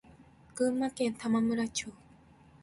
群馬県玉村町